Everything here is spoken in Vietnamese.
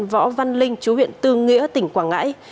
võ văn linh chú huyện tư nghĩa tỉnh quảng ngãi